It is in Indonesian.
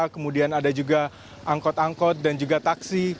kemudian ada juga angkot angkot dan juga taksi